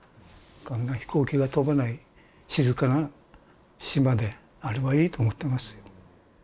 こんな飛行機が飛ばない静かな島であればいいと思ってますよ。